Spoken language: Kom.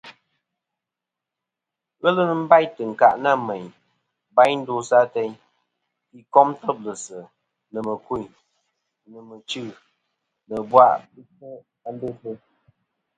Ghelɨ nɨn bâytɨ̀ ɨnkâʼ nâ mèyn bayn ndosɨ ateyn, fî kom têblɨ̀sɨ̀, nɨ̀ mɨ̀kûyn, nɨ̀ mɨchî, nɨ̀ ɨ̀bwàʼ achfɨ a ndosɨ ateyn.